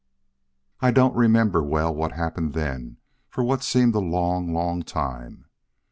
"I don't remember well what happened then for what seemed a long, long time.